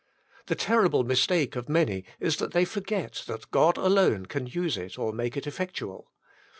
The terrible mistake of many is that they forget that God alone can use it or make it effectual.